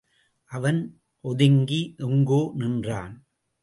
அவன் ஒதுங்கி எங்கோ நின்றான்.